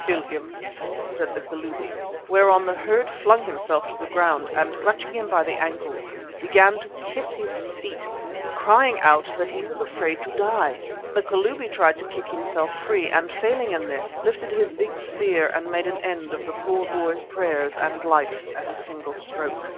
"Kill him!" said the Kalubi, whereon the herd flung himself to the ground, and clutching him by the ankles, began to kiss his feet, crying out that he was afraid to die. The Kalubi tried to kick himself free, and failing in this, lifted his big spear and made an end of the poor boy's prayers and life at a single stroke.